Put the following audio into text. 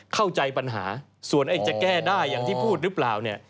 เข้าใจปัญหาส่วนไอ้จะแก้ได้อย่างที่พูดหรือเปล่าเนี่ย